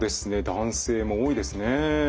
男性も多いですね。